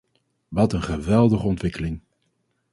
Wat een geweldige ontwikkeling!